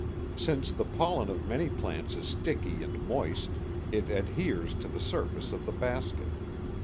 Since the pollen of many plants is sticky and moist it adheres to the surface of the basket.